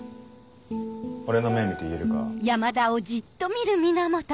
俺の目見て言えるか？